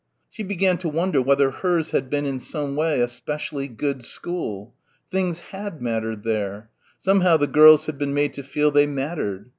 4 She began to wonder whether hers had been in some way a specially good school. Things had mattered there. Somehow the girls had been made to feel they mattered.